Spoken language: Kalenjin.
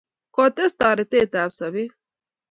kotest toretet tab sobet